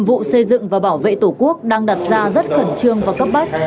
vụ xây dựng và bảo vệ tổ quốc đang đặt ra rất khẩn trương và cấp bách